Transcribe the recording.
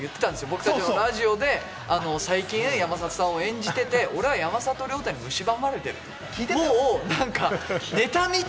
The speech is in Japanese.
僕たちのラジオで最近、山里さんを演じていて、俺は山里亮太にむしばまれていると。